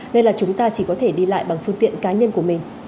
nên là chúng ta chỉ có thể đi lại bằng phương tiện cá nhân của mình